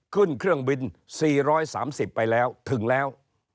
ขึ้นเครื่องบิน๔๓๐ไปแล้วถึงแล้ว